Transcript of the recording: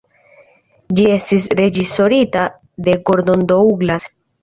Ĝi estis reĝisorita de Gordon Douglas.